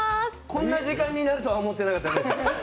こんな時間になるとは思ってなかったです。